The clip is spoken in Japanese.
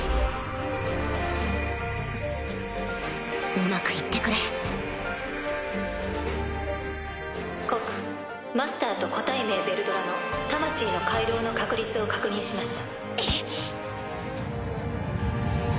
うまく行ってくれ告マスターと個体名ヴェルドラの魂の回廊の確立を確認しました。